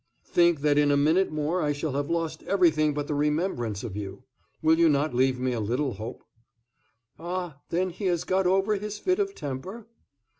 Think that in a minute more I shall have lost everything but the remembrance of you. Will you not leave me a little hope?" "Ah, then he has got over his fit of temper?"